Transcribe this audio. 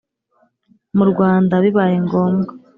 mu Rwanda bibaye ngombwa